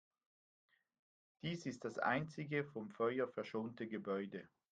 Dies ist das einzige vom Feuer verschonte Gebäude.